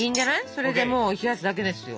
それでもう冷やすだけですよ。